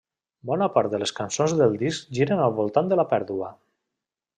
Bona part de les cançons del disc giren al voltant de la pèrdua.